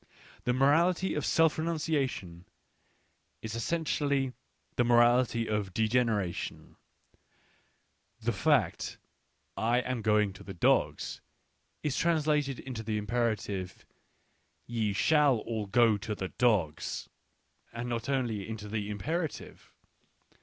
The morality of self renunciation is essentially the mor ality of degeneration ; the fact, " I am going to the dogs," is translated into the imperative, " Yeshall all go to the dogs "— and not only into the imperative.